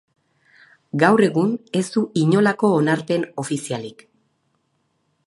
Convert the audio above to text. Gaur egun ez du inolako onarpen ofizialik.